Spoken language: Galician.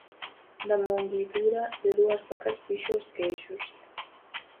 Da munguidura de dúas vacas fixo os queixos.